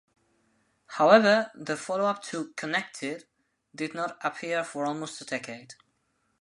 However, the follow-up to "Connected" did not appear for almost a decade.